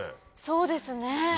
そうですね。